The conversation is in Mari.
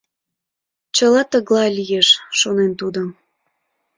Чыла тыглай лиеш, шонен тудо.